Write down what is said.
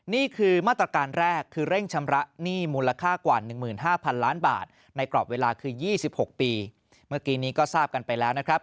นี่คือมาตรการแรกคือเร่งชำระหนี้มูลค่ากว่า๑๕๐๐๐ล้านบาทในกรอบเวลาคือ๒๖ปีเมื่อกี้นี้ก็ทราบกันไปแล้วนะครับ